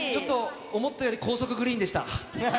思ったより高速グリーンでした。